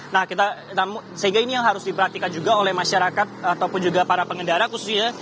nah sehingga ini yang harus diperhatikan juga oleh masyarakat ataupun juga para pengendara khususnya